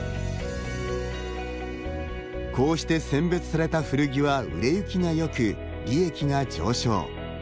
こうして選別された古着は売れ行きがよく、利益が上昇。